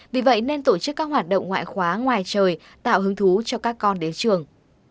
vì vậy nên tổ chức các hoạt động ngoại khóa ngoài trời tạo hứng thú cho các con đến trường